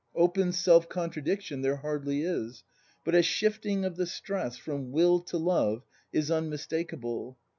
Open self contradiction there hardly is; but a shifting of the stress, from Will to Love, is unmistakable.